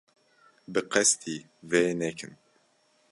Bi qesdî vê nekin.